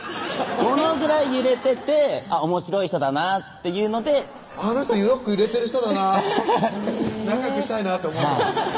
このぐらい揺れてておもしろい人だなっていうのであの人よく揺れてる人だな仲よくしたいなって思うの？